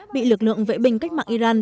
bị lực lượng vệ binh cách mạng iran